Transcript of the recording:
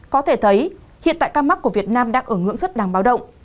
có thể thấy hiện tại ca mắc của việt nam đang ở ngưỡng rất đáng báo động